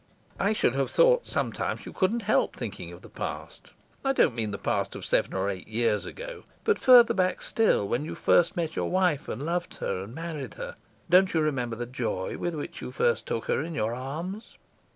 "I should have thought sometimes you couldn't help thinking of the past. I don't mean the past of seven or eight years ago, but further back still, when you first met your wife, and loved her, and married her. Don't you remember the joy with which you first took her in your arms?"